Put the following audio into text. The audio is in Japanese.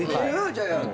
じゃあ。